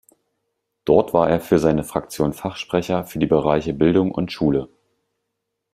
Dort war er für seine Fraktion Fachsprecher für die Bereiche Bildung und Schule.